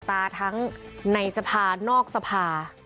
ตาทั้งในสภานอกสภา